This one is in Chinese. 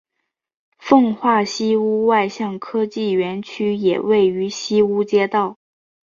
奉化西坞外向科技园区也位于西坞街道。